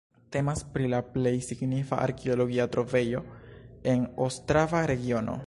Temas pri la plej signifa arkeologia trovejo en Ostrava-regiono.